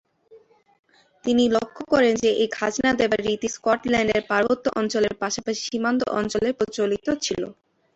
তিনি লক্ষ্য করেন যে এই খাজনা দেবার রীতি স্কটল্যান্ডের পার্বত্য অঞ্চলের পাশাপাশি সীমান্ত অঞ্চলে প্রচলিত ছিল।